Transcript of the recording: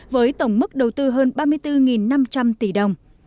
với tổng mức đầu tư hơn ba mươi bốn năm trăm linh tỷ đồng